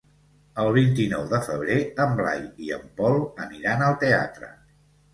El vint-i-nou de febrer en Blai i en Pol aniran al teatre.